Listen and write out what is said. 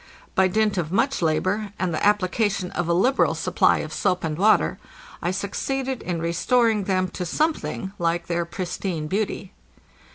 By dint of much labor, and the application of a liberal supply of soap and water, I succeeded in restoring them to some thing Jike their pristine beauty.